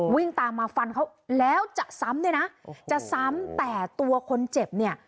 วิ่งตามมาฟันเขาแล้วจะซ้ำด้วยนะจะซ้ำแต่ตัวคนเจ็บเนี่ย